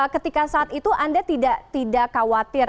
ketika saat itu anda tidak khawatir